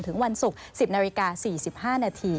วันศุกร์๑๐นาฬิกา๔๕นาที